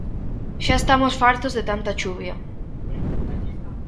Xa estamos fartos de tanta chuvia...